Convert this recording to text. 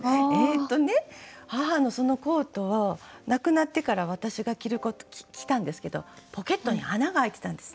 母のそのコートは亡くなってから私が着たんですけどポケットに穴があいていたんですね。